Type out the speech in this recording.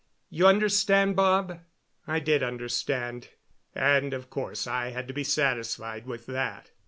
You understand, Bob?" I did understand; and of course I had to be satisfied with that.